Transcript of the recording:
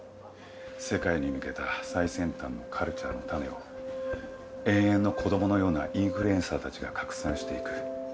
世界に向けた最先端のカルチャーの種を永遠の子どものようなインフルエンサーたちが拡散していく。